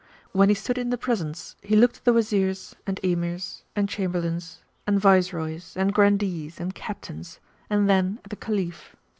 When he stood in the presence, he looked at the Wazirs and Emirs and Chamberlains, and Viceroys and Grandees and Captains, and then at the Caliph.